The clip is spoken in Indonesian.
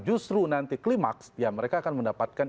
justru nanti klimaks ya mereka akan mendapatkan